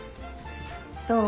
どう？